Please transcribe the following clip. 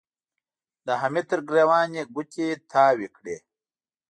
د حميد تر ګرېوان يې ګوتې تاوې کړې.